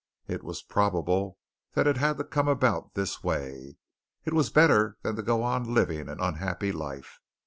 It was probable that it had to come about this way. It was better so than to go on living an unhappy life.